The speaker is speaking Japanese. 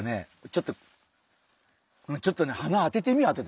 ちょっとちょっとね鼻当ててみあとで！